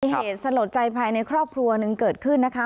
เหตุสลดใจภายในครอบครัวหนึ่งเกิดขึ้นนะคะ